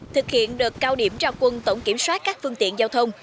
thực hiện đợt cao điểm trao quân tổng kiểm soát các phương tiện giao thông